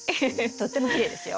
とってもきれいですよ。